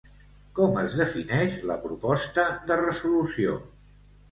Com es defineix la proposta de resolució?